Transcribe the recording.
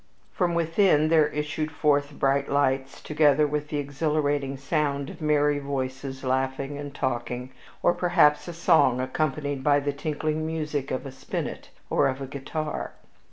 From within there issued forth bright lights, together with the exhilarating sound of merry voices laughing and talking, or perhaps a song accompanied by the tinkling music of a spinet or of a guitar.